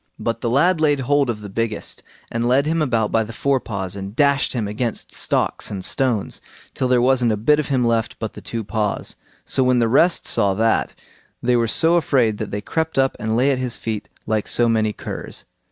But the lad laid hold of the biggest, and led him about by the fore paws, and dashed him against stocks and stones, till there wasn't a bit of him left but the two paws. So when the rest saw that, they were so afraid that they crept up and lay at his feet like so many curs.